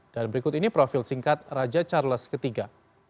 dan berikut ini profil singkat raja charles iii